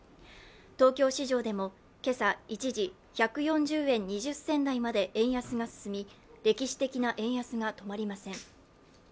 東京市場でも今朝、一時１４０円２０銭台まで円安が進み歴史的な円安が止まりません。